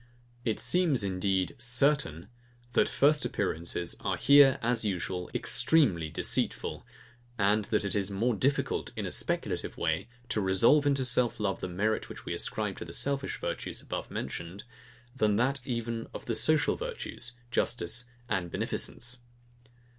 It seems, indeed, certain, that first appearances are here, as usual, extremely deceitful, and that it is more difficult, in a speculative way, to resolve into self love the merit which we ascribe to the selfish virtues above mentioned, than that even of the social virtues, justice and beneficence.